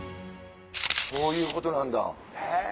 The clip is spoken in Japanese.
こういうことなんだへぇ。